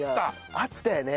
あったよね。